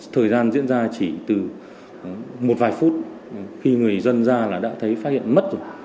thời gian diễn ra chỉ từ một vài phút khi người dân ra là đã thấy phát hiện mất rồi